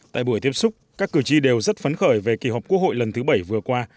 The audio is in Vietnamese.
tại buổi tiếp xúc các cử tri đều rất phấn khởi về kỳ họp quốc hội lần thứ bảy vừa qua